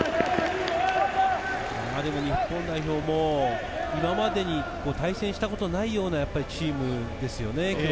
日本代表も今までに対戦したことがないようなチームですよね。